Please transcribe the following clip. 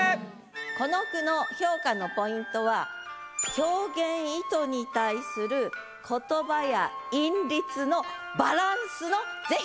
この句の評価のポイントは表現意図に対する言葉や韻律のバランスの是非です。